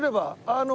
あの。